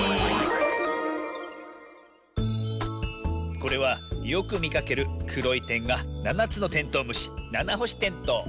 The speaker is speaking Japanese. これはよくみかけるくろいてんが７つのテントウムシナナホシテントウ。